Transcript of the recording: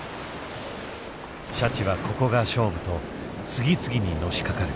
シャチはここが勝負と次々にのしかかる。